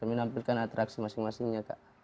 mungkin seperti tarian tarian khas daerah masing masing kak